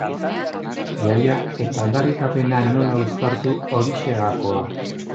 Jaia eta aldarrikapena nola uztartu, horixe gakoa.